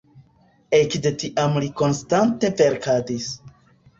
Ekde tiam li konstante verkadis.